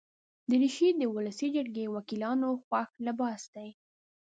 دریشي د ولسي جرګې وکیلانو خوښ لباس دی.